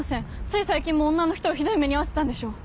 つい最近も女の人をひどい目に遭わせたんでしょう。